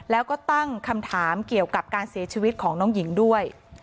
แล้วก็ตั้งคำถามเกี่ยวกับการเสียชีวิตของน้องหญิงด้วย